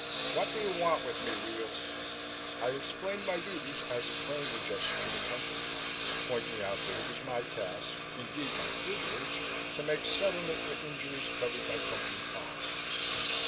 What do you want with me, Weels?" I explained my duties as a Claims Adjuster for the Company, pointing out that it was my task, indeed my privilege, to make settlement for injuries covered by Company policies.